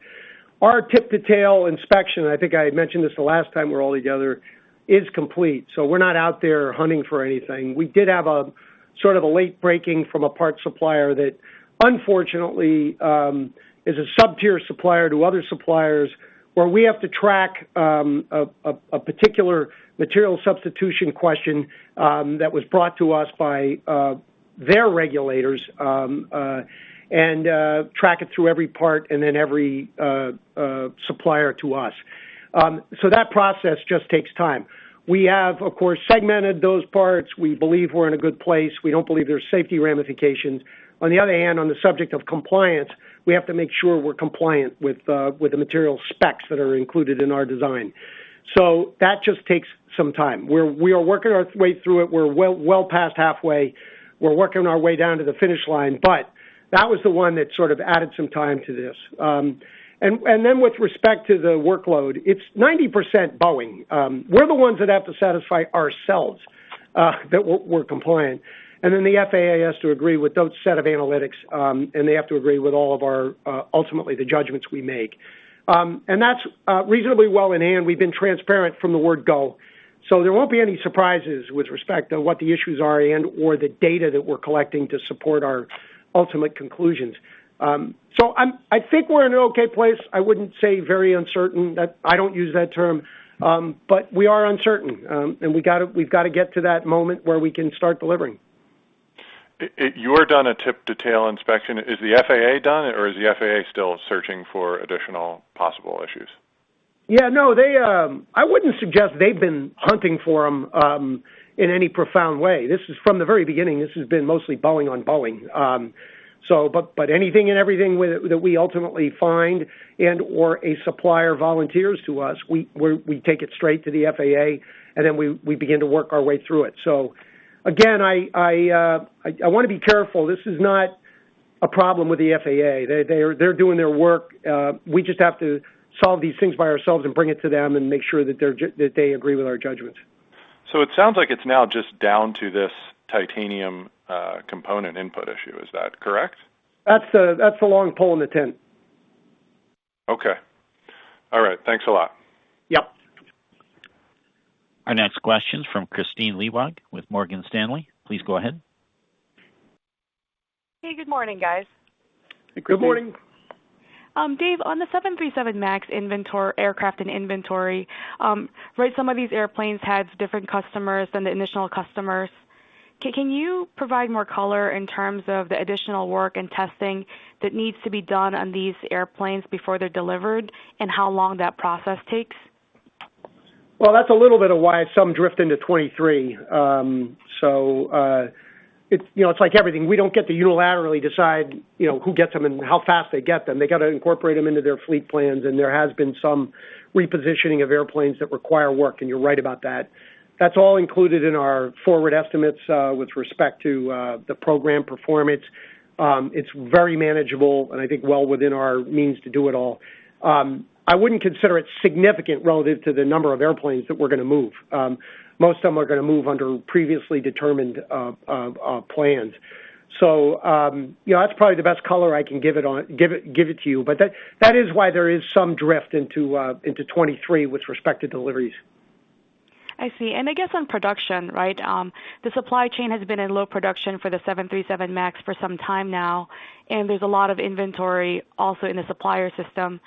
Our tip to tail inspection, I think I had mentioned this the last time we were all together, is complete. We're not out there hunting for anything. We did have a sort of a late breaking from a parts supplier that, unfortunately, is a sub-tier supplier to other suppliers, where we have to track a particular material substitution question that was brought to us by their regulators, and track it through every part and then every supplier to us. That process just takes time. We have, of course, segmented those parts. We believe we're in a good place. We don't believe there's safety ramifications. On the other hand, on the subject of compliance, we have to make sure we're compliant with the material specs that are included in our design. That just takes some time. We are working our way through it. We're well past halfway. We're working our way down to the finish line, but that was the one that sort of added some time to this. Then with respect to the workload, it's 90% Boeing. We're the ones that have to satisfy ourselves that we're compliant. Then the FAA has to agree with those set of analytics, and they have to agree with all of our ultimately the judgments we make. That's reasonably well in hand. We've been transparent from the word go. There won't be any surprises with respect to what the issues are and, or the data that we're collecting to support our ultimate conclusions. I think we're in an okay place. I wouldn't say very uncertain. I don't use that term. We are uncertain, and we've gotta get to that moment where we can start delivering. Have you done a tip-to-tail inspection? Is the FAA done, or is the FAA still searching for additional possible issues? Yeah, no, they- I wouldn't suggest they've been hunting for them in any profound way. This is from the very beginning, this has been mostly Boeing on Boeing. But anything and everything with it that we ultimately find and or a supplier volunteers to us, we take it straight to the FAA, and then we begin to work our way through it. Again, I wanna be careful. This is not a problem with the FAA. They're doing their work. We just have to solve these things by ourselves and bring it to them and make sure that they agree with our judgments. It sounds like it's now just down to this titanium component input issue. Is that correct? That's the long pole in the tent. Okay. All right. Thanks a lot. Yep. Our next question's from Kristine Liwag with Morgan Stanley. Please go ahead. Hey, good morning, guys. Good morning. Dave, on the 737 MAX inventory aircraft and inventory, right, some of these airplanes had different customers than the initial customers. Can you provide more color in terms of the additional work and testing that needs to be done on these airplanes before they're delivered and how long that process takes? Well, that's a little bit of why some drift into 2023. It's, you know, it's like everything. We don't get to unilaterally decide, you know, who gets them and how fast they get them. They gotta incorporate them into their fleet plans, and there has been some repositioning of airplanes that require work, and you're right about that. That's all included in our forward estimates with respect to the program performance. It's very manageable and I think well within our means to do it all. I wouldn't consider it significant relative to the number of airplanes that we're gonna move. Most of them are gonna move under previously determined plans. You know, that's probably the best color I can give it to you. That is why there is some drift into 2023 with respect to deliveries. I see. I guess on production, right? The supply chain has been in low production for the 737 MAX for some time now, and there's a lot of inventory also in the supplier system.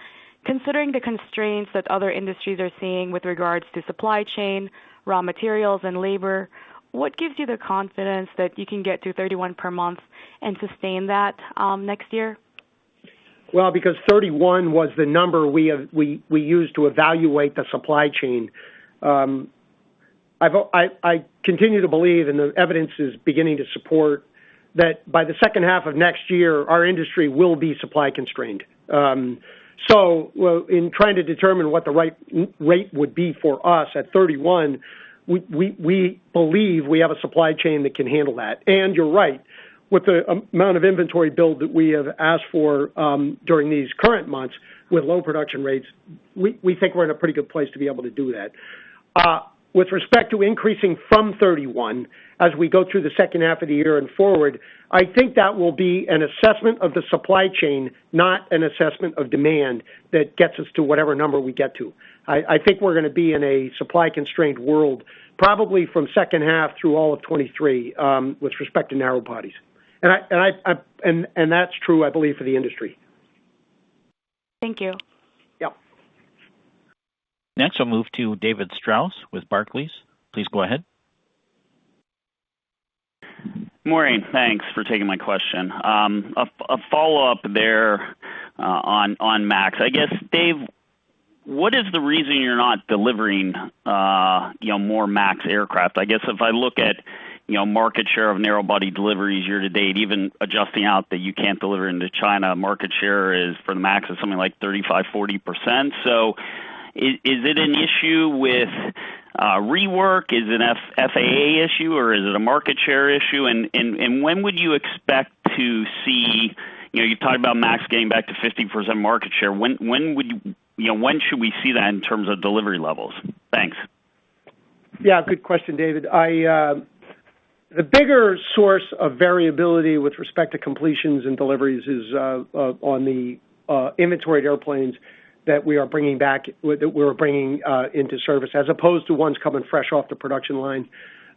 Considering the constraints that other industries are seeing with regards to supply chain, raw materials, and labor, what gives you the confidence that you can get to 31 per month and sustain that, next year? Because 31 was the number we used to evaluate the supply chain. I continue to believe, and the evidence is beginning to support that by the second half of next year, our industry will be supply constrained. In trying to determine what the right rate would be for us at 31, we believe we have a supply chain that can handle that. You're right. With the amount of inventory build that we have asked for during these current months with low production rates, we think we're in a pretty good place to be able to do that. With respect to increasing from 31, as we go through the second half of the year and forward, I think that will be an assessment of the supply chain, not an assessment of demand that gets us to whatever number we get to. I think we're gonna be in a supply constrained world, probably from second half through all of 2023, with respect to narrow bodies. That's true, I believe, for the industry. Thank you. Yep. Next, I'll move to David Strauss with Barclays. Please go ahead. Morning. Thanks for taking my question. A follow-up there on MAX. I guess, Dave, what is the reason you're not delivering you know, more MAX aircraft? I guess if I look at you know, market share of narrow body deliveries year-to-date, even adjusting out that you can't deliver into China, market share is, for the MAX, is something like 35%-40%. Is it an issue with rework? Is it an FAA issue, or is it a market share issue? When would you expect to see, you know, you've talked about MAX getting back to 50% market share. When would you know, when should we see that in terms of delivery levels? Thanks. Yeah, good question, David. The bigger source of variability with respect to completions and deliveries is on the inventoried airplanes that we're bringing into service, as opposed to ones coming fresh off the production line.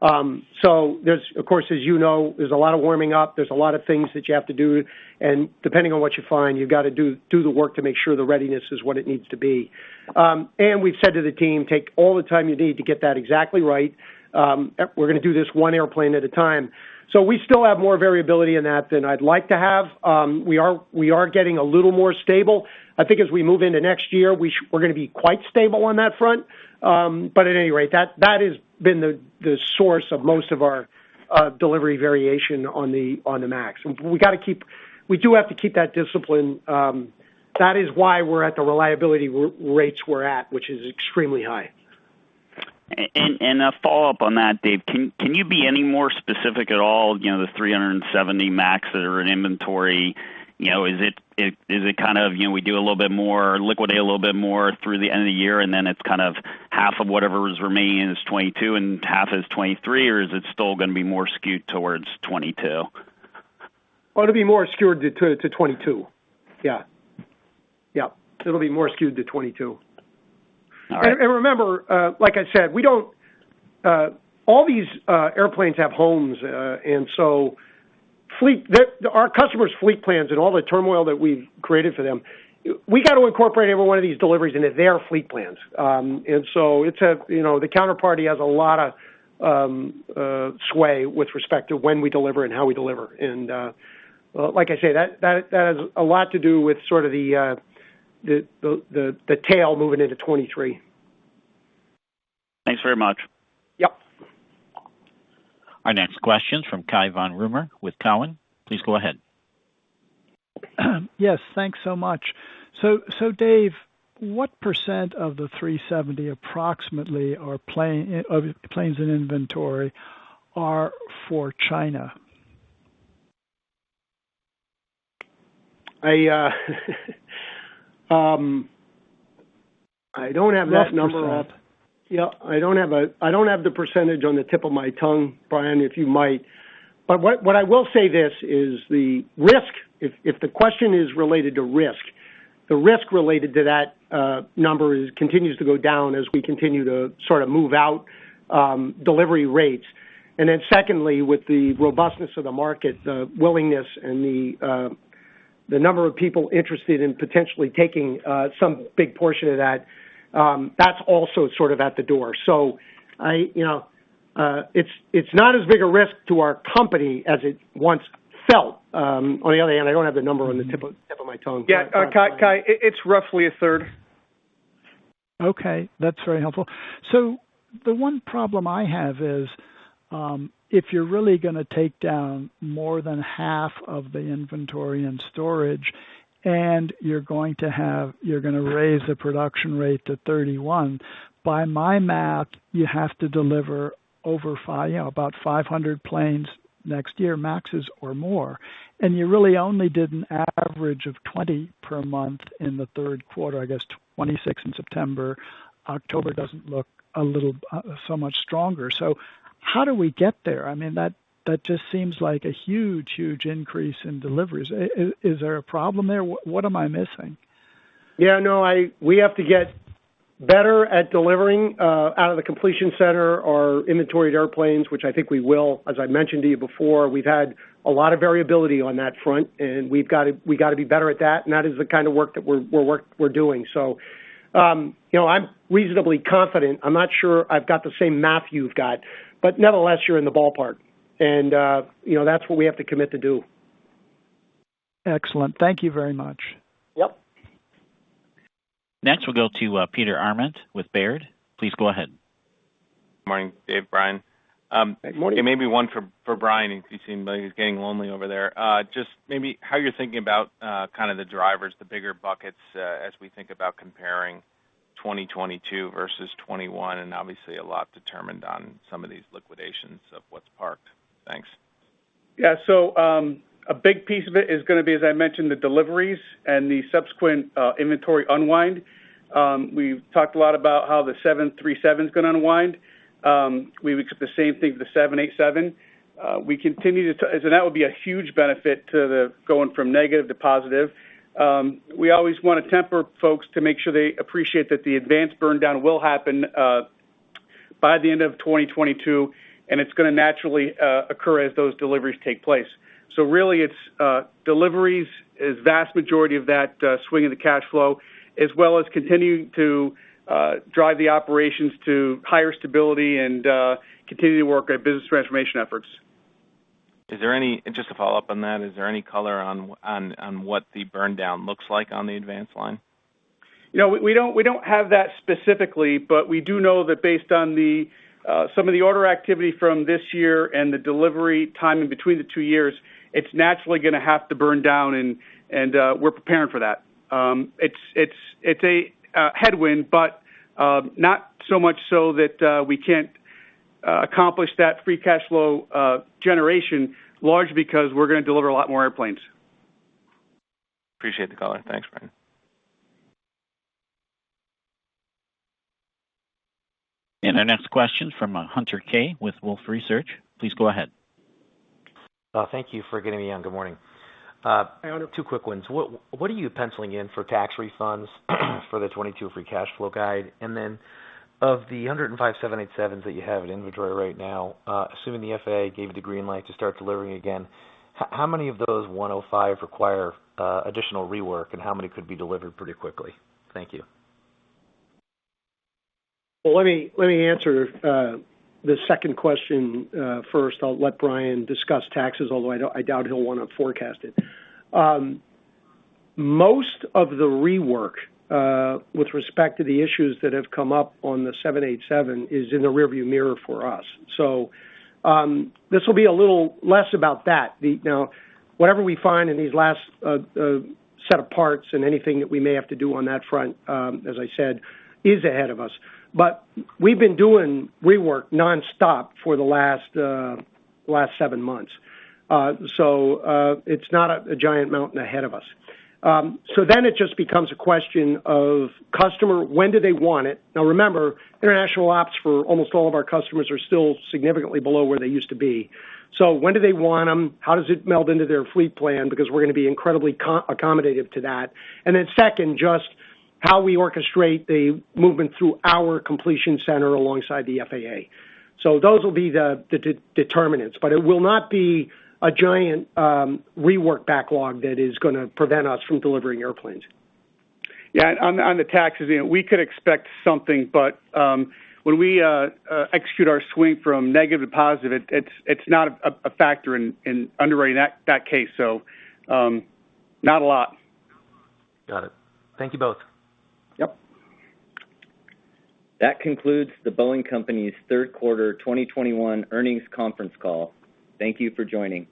There's, of course, as you know, a lot of warming up. There's a lot of things that you have to do, and depending on what you find, you've got to do the work to make sure the readiness is what it needs to be. We've said to the team, "Take all the time you need to get that exactly right. We're gonna do this one airplane at a time." We still have more variability in that than I'd like to have. We are getting a little more stable. I think as we move into next year, we're gonna be quite stable on that front. But at any rate, that has been the source of most of our delivery variation on the MAX. We do have to keep that discipline. That is why we're at the reliability rates we're at, which is extremely high. A follow-up on that, Dave, can you be any more specific at all, you know, the 370 737 MAX that are in inventory, you know, is it kind of, you know, we do a little bit more, liquidate a little bit more through the end of the year, and then it's kind of half of whatever is remaining is 2022 and half is 2023, or is it still gonna be more skewed towards 2022? Oh, it'll be more skewed to 2022. Yep. It'll be more skewed to 2022. All right. Remember, like I said, all these airplanes have homes, and so the fleet, our customers' fleet plans and all the turmoil that we've created for them. We got to incorporate every one of these deliveries into their fleet plans. It's a, you know, the counterparty has a lot of sway with respect to when we deliver and how we deliver. Like I say, that has a lot to do with sort of the tail moving into 2023. Thanks very much. Yep. Our next question from Cai von Rumohr with Cowen. Please go ahead. Yes, thanks so much. Dave, what percent of the 370 approximately are planes in inventory are for China? I don't have that number up. Yeah, I don't have the percentage on the tip of my tongue. Brian, if you might. What I will say this is the risk, if the question is related to risk, the risk related to that number continues to go down as we continue to sort of move out delivery rates. Then secondly, with the robustness of the market, the willingness and the number of people interested in potentially taking some big portion of that's also sort of out the door. You know, it's not as big a risk to our company as it once felt. On the other hand, I don't have the number on the tip of my tongue. Yeah. Cai, it's roughly a third. Okay. That's very helpful. The one problem I have is, if you're really gonna take down more than half of the inventory and storage, and you're gonna raise the production rate to 31, by my math, you have to deliver over 500 planes next year, MAXes or more. You really only did an average of 20 per month in the third quarter, I guess 26 in September. October doesn't look all that much stronger. How do we get there? I mean, that just seems like a huge increase in deliveries. Is there a problem there? What am I missing? Yeah, no, we have to get better at delivering out of the completion center or inventoried airplanes, which I think we will. As I mentioned to you before, we've had a lot of variability on that front, and we've gotta be better at that, and that is the kind of work that we're doing. So, you know, I'm reasonably confident. I'm not sure I've got the same math you've got, but nevertheless, you're in the ballpark. You know, that's what we have to commit to do. Excellent. Thank you very much. Yep. Next, we'll go to Peter Arment with Baird. Please go ahead. Good morning, Dave, Brian. Good morning. Maybe one for Brian, he seems like he's getting lonely over there. Just maybe how you're thinking about kind of the drivers, the bigger buckets, as we think about comparing 2022 versus 2021, and obviously a lot determined on some of these liquidations of what's parked. Thanks. A big piece of it is gonna be, as I mentioned, the deliveries and the subsequent inventory unwind. We've talked a lot about how the 737's gonna unwind. We would expect the same thing for the 787. That would be a huge benefit to the going from negative to positive. We always wanna temper folks to make sure they appreciate that the advances burn down will happen by the end of 2022, and it's gonna naturally occur as those deliveries take place. Really, it's deliveries is vast majority of that swing of the cash flow, as well as continuing to drive the operations to higher stability and continue to work our business transformation efforts. Just to follow up on that, is there any color on what the burn down looks like on the advance line? You know, we don't have that specifically, but we do know that based on some of the order activity from this year and the delivery timing between the two years, it's naturally gonna have to burn down and we're preparing for that. It's a headwind, but not so much so that we can't accomplish that free cash flow generation, largely because we're gonna deliver a lot more airplanes. Appreciate the color. Thanks, Brian. Our next question from Hunter Keay with Wolfe Research. Please go ahead. Thank you for getting me on. Good morning. Hi, Hunter. Two quick ones. What are you penciling in for tax refunds for the 2022 free cash flow guide? Of the 105 787s that you have in inventory right now, assuming the FAA gave the green light to start delivering again, how many of those 105 require additional rework, and how many could be delivered pretty quickly? Thank you. Well, let me answer the second question first. I'll let Brian discuss taxes, although I doubt he'll wanna forecast it. Most of the rework with respect to the issues that have come up on the 787 is in the rearview mirror for us. This will be a little less about that. Now, whatever we find in these last set of parts and anything that we may have to do on that front, as I said, is ahead of us. But we've been doing rework nonstop for the last seven months. It's not a giant mountain ahead of us. It just becomes a question of customer, when do they want it? Now remember, international ops for almost all of our customers are still significantly below where they used to be. When do they want them? How does it meld into their fleet plan? Because we're gonna be incredibly accommodative to that. Then second, just how we orchestrate the movement through our completion center alongside the FAA. Those will be the determinants, but it will not be a giant rework backlog that is gonna prevent us from delivering airplanes. Yeah. On the taxes, you know, we could expect something, but when we execute our swing from negative to positive, it's not a factor in underwriting that case. Not a lot. Got it. Thank you both. Yep. That concludes The Boeing Company's Q3 2021 earnings conference call. Thank you for joining.